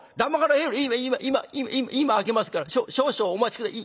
「今今今今今開けますから少々お待ち下さい。